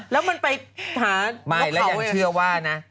แล้วมันไปหารกเขาเอง